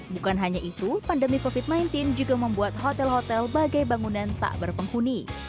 bukan hanya itu pandemi covid sembilan belas juga membuat hotel hotel bagai bangunan tak berpenghuni